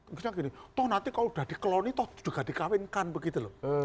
misalnya gini toh nanti kalau udah di clone in toh juga dikawinkan begitu loh